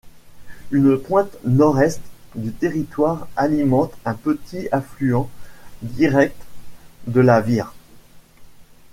Une pointe nord-est du territoire alimente un petit affluent direct de la Vire.